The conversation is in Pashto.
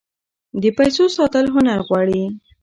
د پیسو ساتل هنر غواړي.